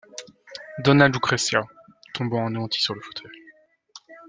Dona Lucrezia, tombant anéantie sur le fauteuil.